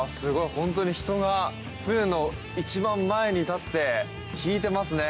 本当に人が船の一番前に立って引いてますね。